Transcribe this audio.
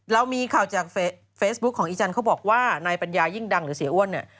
เรามีข่าวจากเฟซบุ๊คของอีจันทร์เขาบอกว่านายปัญญายิ่งดังหรือเสียอ้วนเนี่ย